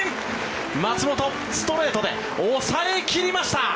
松本、ストレートで抑え切りました。